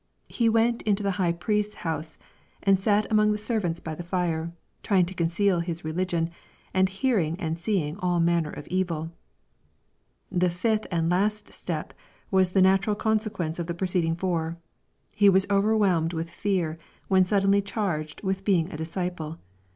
He went into the high priest's house anJ sat among the servants by the fire, trying to conceal his re ligion, and hearing and seeing all manner of evil. — The fifth and last step was the natural consequence of the preceding four. He was overwhelmed With fear when sud denly charged with being a disciple.